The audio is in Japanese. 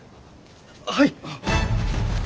はい！